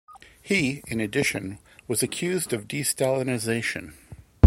He, in addition, was accused of de-Stalinisation.